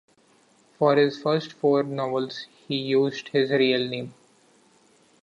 For his first four novels, he used his real name.